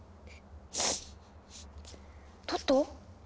トット？